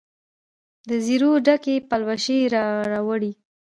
دزیرو ډکي پلوشې راوړي